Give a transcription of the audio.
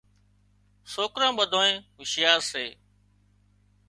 سوڪران ٻڌانئين هوشيار سي